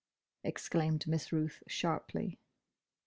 exclaimed Miss Ruth sharply.